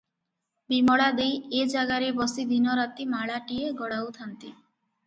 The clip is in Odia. ବିମଳା ଦେଈ ଏକ ଜାଗାରେ ବସି ଦିନ ରାତି ମାଳାଟିଏ ଗଡ଼ାଉଥାନ୍ତି ।